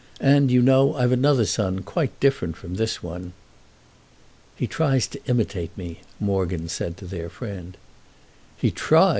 And, you know, I've another son, quite different from this one." "He tries to imitate me," Morgan said to their friend. "He tries?